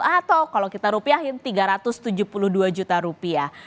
atau kalau kita rupiahin tiga ratus tujuh puluh dua juta rupiah